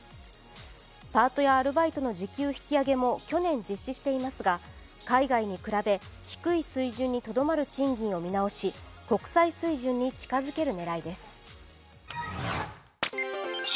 パートやアルバイトの時給引き上げも去年実施していますが海外に比べ、低い水準にとどまる賃金を見直し、国際水準に近づける狙いです。